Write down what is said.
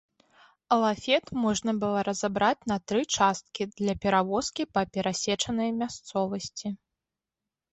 Лафет можна было разабраць на тры часткі для перавозкі па перасечанай мясцовасці.